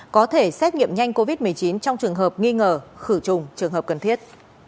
có thể xét nghiệm nhanh covid một mươi chín trong trường hợp nghi ngờ khử trùng trường hợp cần thiết